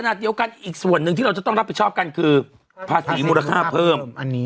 เดียวกันอีกส่วนหนึ่งที่เราจะต้องรับผิดชอบกันคือภาษีมูลค่าเพิ่ม